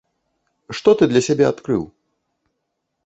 Што ты для сябе адкрыў?